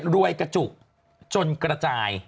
รวยกระจุจนกระจ่าย